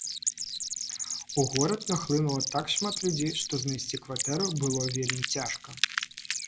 У горад нахлынула так шмат людзей, што знайсці кватэру было вельмі цяжка.